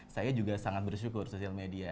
saya juga sangat bersyukur sosial media